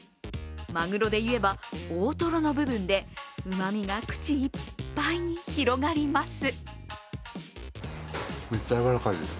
マグロでいえば大トロの部分でうまみが口いっぱいに広がります。